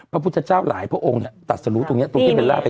พระพุทธเจ้าหลายพระองค์เนี่ยตัดสรุตรงนี้ตรงที่เบลล่าไป